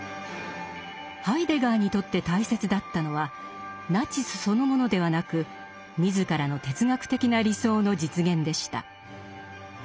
ハイデガーにとって大切だったのはナチスそのものではなく自らの哲学的な理想の実現でした。